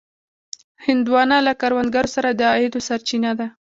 هندوانه له کروندګرو سره د عوایدو سرچینه ده.